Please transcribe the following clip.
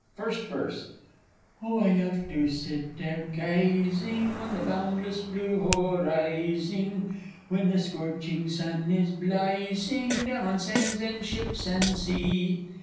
First Verse. Oh, I love to sit a gyzing on the boundless blue horizing, When the scorching sun is blyzing down on sands, and ships, and sea!